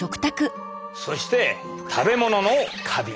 そして食べ物のカビ。